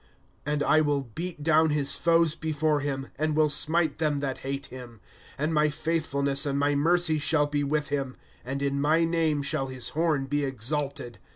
^3 And I will beat down his foes before him, And will smite them that hate him. ^^ And my faithfulness and my mercy shall be with him, And in my name shall his horn be exalted.